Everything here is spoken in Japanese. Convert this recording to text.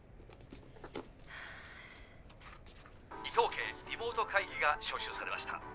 伊藤家リモート会議が招集されました。